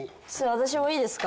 私もいいですか？